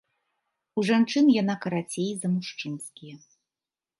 У жанчын яна карацей за мужчынскія.